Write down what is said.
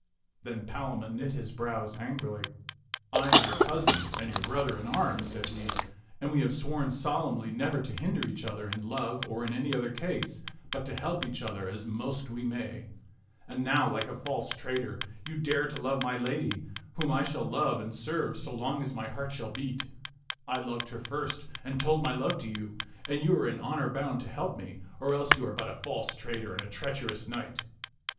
Then Palamon knit his brows angrily. " I am your cousin and your brother in arms," said he; "and we have sworn solemnly never to hinder each other in love or in any other case, but to help each other as most we may. And now, like a false traitor, you dare to love my lady whom I shall love and serve so 26 Z^t j^ni5§f taU long as my heart shall beat. I loved her first and told my love to you, and you are in honor bound to help me, or else you are but a false traitor and a treacher ous knight."